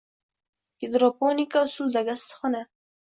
Gidroponika usulidagi issiqxona